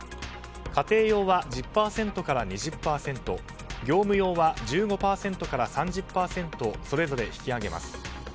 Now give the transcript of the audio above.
家庭用は１０％から２０％業務用は１５％から３０％それぞれ引き上げます。